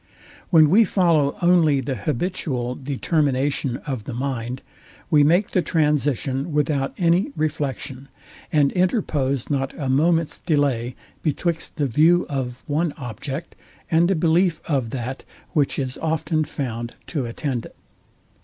When we follow only the habitual determination of the mind, we make the transition without any reflection, and interpose not a moment's delay betwixt the view of one object and the belief of that, which is often found to attend it.